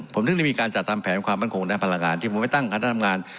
ผมนึกได้มีการจัดตามแผนความปันคงในพลังงานที่มุมไว้ตั้งของคันธรรมงาน